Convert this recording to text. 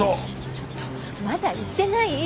ちょっとまだ言ってない。